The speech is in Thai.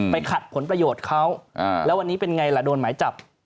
ขัดผลประโยชน์เขาแล้ววันนี้เป็นไงล่ะโดนหมายจับ